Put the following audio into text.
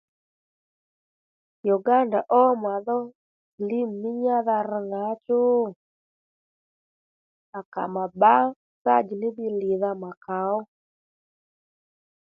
Uganda ó màdhó silimu mí nyádha rr ŋǎchú à kà mà bbǎ sádyì ní ddiy lidha mà kà ó